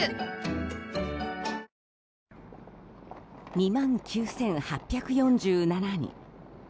２万９８４７人。